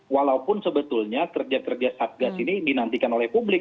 walaupun sebetulnya kerja kerja satgas ini dinantikan oleh publik